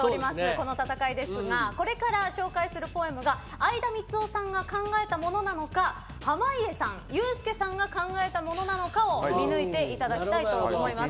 この戦いですがこれから紹介するポエムが相田みつをさんが考えたものなのか濱家さん、ユースケさんが考えたものなのかを見抜いていただきたいと思います。